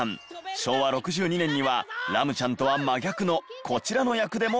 昭和６２年にはラムちゃんとは真逆のこちらの役でも人気に。